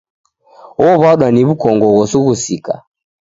Owadwa ni wukongo ghosughusika.